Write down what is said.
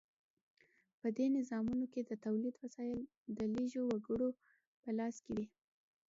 په دې نظامونو کې د تولید وسایل د لږو وګړو په لاس کې وي.